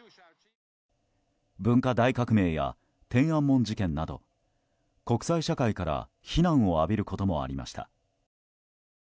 文化大革命や天安門事件など国際社会から非難を浴びることもありました。